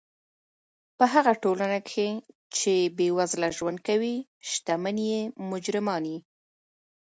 په هغه ټولنه کښي، چي بېوزله ژوند کوي، ښتمن ئې مجرمان يي.